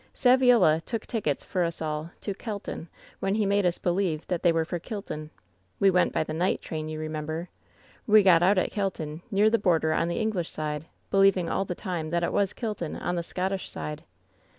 Saviola took tickets for us all to Kelton, when he made us be lieve that they were for Kilton. We went by the night train, you remember. We got out at Kelton, near the border on the English side, believing all the time that it was Kilton, on the Scottish side.